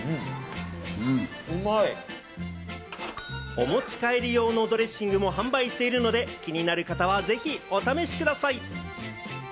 お持ち帰り用のドレッシングも販売しているので、気になる方はぜひお試しください。